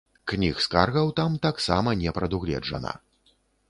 Кніг скаргаў там таксама не прадугледжана.